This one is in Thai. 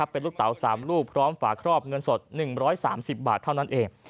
เป็นลูกเต๋า๓ลูกพร้อมฝาครอบเงินสด๑๓๐บาทเท่านั้นเอง